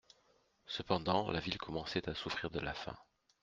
Cependant la ville commençait à souffrir de la faim.